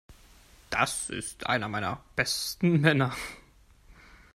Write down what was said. Das ist einer meiner besten Männer.